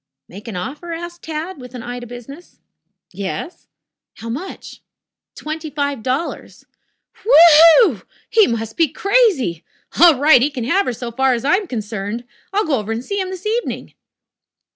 "Make an offer?" asked Tad, with an eye to business. "Yes." "How much?" "Twenty five dollars." "W h e w! He must be crazy. All right, he can have her so far as I am concerned. I'll go over to see him this evening."